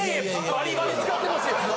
バリバリ使ってますよ。